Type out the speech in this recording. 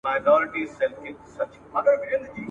که عادت سي یو ځل خوله په بد ویلو !.